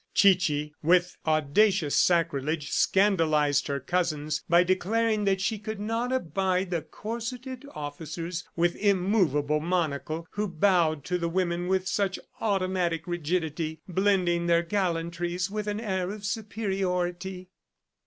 Chichi, with audacious sacrilege, scandalized her cousins by declaring that she could not abide the corseted officers with immovable monocle, who bowed to the women with such automatic rigidity, blending their gallantries with an air of superiority.